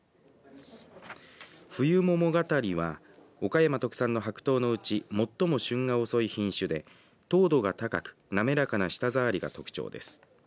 冬桃がたりは岡山特産の白桃のうち最も旬が遅い品種で糖度が高くなめらかな舌触りが特徴です。